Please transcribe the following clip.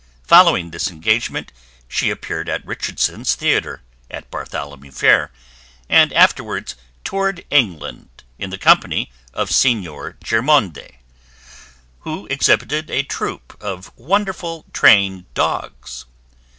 Following this engagement she appeared at Richardson's Theater, at Bartholomew Fair, and afterwards toured England in the company of Signor Germondi, who exhibited a troupe of wonderful trained dogs.